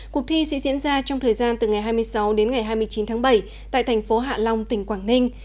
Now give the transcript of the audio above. cuộc thi sẽ diễn ra trong thời gian từ ngày hai mươi sáu đến ngày hai mươi chín tháng bảy tại thành phố hạ long tỉnh quảng ninh